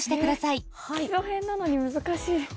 基礎編なのに難しい。